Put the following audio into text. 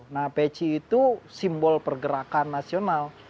nah peci itu simbol pergerakan nasional